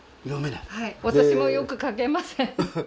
私もよく書けません。